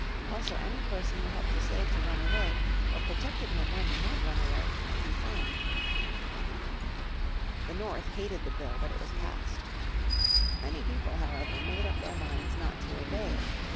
Also any person who helped a slave to run away, or protected him when he had run away, might be fined. The North hated the Bill but it was passed. Many people, however, made up their minds not to obey it.